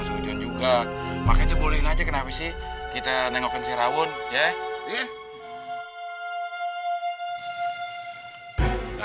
setuju juga makanya bolehin aja kenapa sih kita nengokin si rawun ya iya